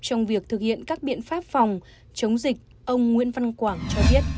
trong việc thực hiện các biện pháp phòng chống dịch ông nguyễn văn quảng cho biết